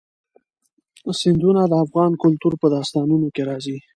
سیندونه د افغان کلتور په داستانونو کې راځي.